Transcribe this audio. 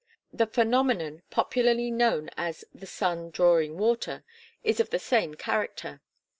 The phenomenon popularly known as the "sun drawing water" is of the same character.